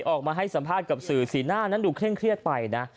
ออกมาให้สัมภาษณ์กับสื่อสีหน้านั้นดูเคร่งเครียดไปนะ